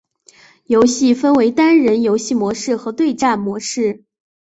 游戏分为单人游戏模式和对战模式。